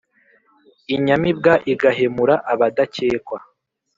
inyamibwa igahemura abadakekwa